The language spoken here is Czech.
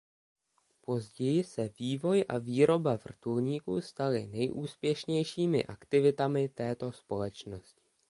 Později se vývoj a výroba vrtulníků staly nejúspěšnějšími aktivitami této společnosti.